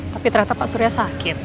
tapi ternyata pak surya sakit